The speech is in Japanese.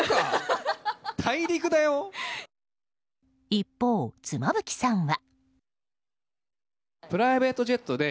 一方、妻夫木さんは。